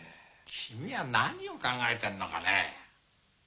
君は何を考えてんのかね？